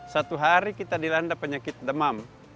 satu hari kita dilanda penyakit demam